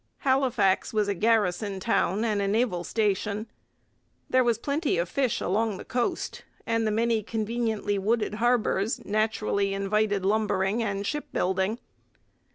Halifax was a garrison town and naval station. There was plenty of fish along the coast; and the many conveniently wooded harbours naturally invited lumbering and shipbuilding.